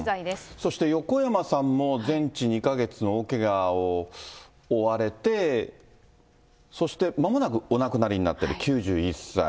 そして横山さんも全治２か月の大けがを負われて、そしてまもなくお亡くなりになってる、９１歳。